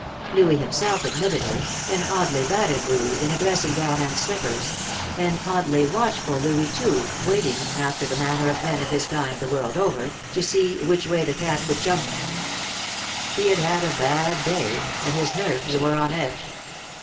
Louis himself admitted her, an oddly battered Louis, in a dressing gown and slippers; an oddly watchful Louis, too, waiting, after the manner of men of his kind the world over, to see which way the cat would jump. He had had a bad day, and his nerves were on edge.